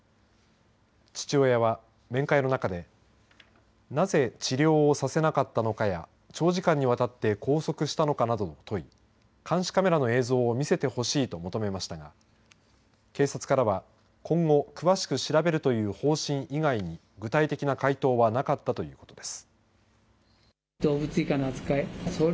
父親は面会の中でなぜ治療をさせなかったのかや長時間にわたって拘束したのかなどを問い監視カメラの映像を見せてほしいと求めましたが警察からは今後、詳しく調べるという方針以外に具体的な回答はなかったということです。